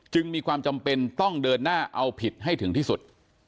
มีความจำเป็นต้องเดินหน้าเอาผิดให้ถึงที่สุด